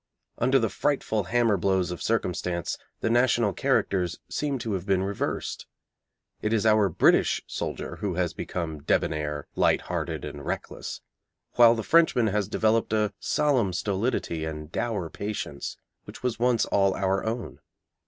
Under the frightful hammer blows of circumstance, the national characters seem to have been reversed. It is our British soldier who has become debonair, light hearted and reckless, while the Frenchman has developed a solemn stolidity and dour patience which was once all our own.